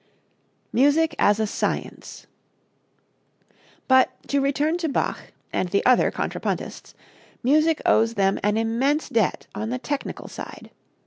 Music as a Science. But, to return to Bach and the other contrapuntists, music owes them an immense debt on the technical side.